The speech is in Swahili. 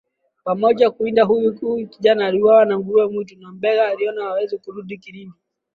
pamoja kuwinda huyu kijana aliuawa na nguruwe mwitu na Mbegha aliona hawezi kurudi Kilindi